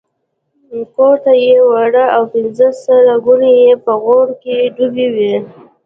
کورته یې وړه او پنځه سره ګوني یې په غوړو کې ډوبې وې.